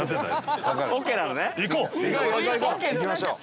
行きましょう。